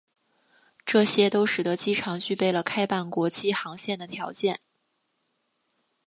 这些都使得机场具备了开办国际航线的条件。